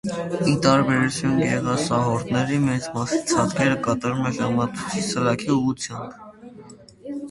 Ի տարբերություն գեղասահորդների մեծ մասի՝ ցատկերը կատարում է ժամացույցի սլաքի ուղղությամբ։